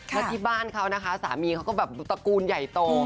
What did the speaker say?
แล้วที่บ้านเขานะคะสามีเขาก็แบบตระกูลใหญ่โต